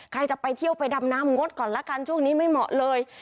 ใครจะไปเที่ยวไปดำน้ำงดก่อนละกันช่วงนี้ไม่เหมาะเลย